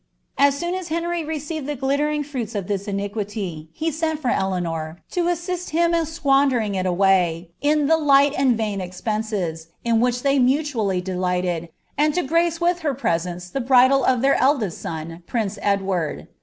As soon as Henry receivnl the glittering fruits of this uuquilf, he aent for Eleanor, to assist him in squandering il away, in the t^ and vain espeusea, in which they mutimlly delighted, and lo grant wok her presence the bridal of their eldest son, pnnce Edwani.